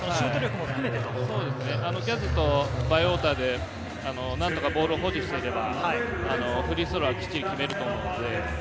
ギャズとバイウォーターで何とかボールを保持していれば、フリースローはきっちり決めると思うので。